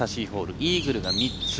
イーグルが３つ。